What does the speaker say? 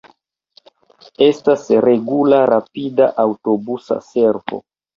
Estas regula rapida aŭtobusa servo.